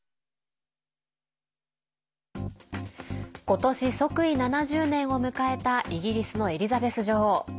ことし即位７０年を迎えたイギリスのエリザベス女王。